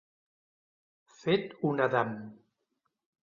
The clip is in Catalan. Fet un Adam.